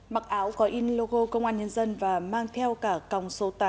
mặc áo có in logo công an nhân dân và mang theo cả còng số tám